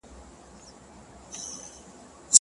له بارانه تښتېدم، تر ناوې لاندي مي شپه سوه.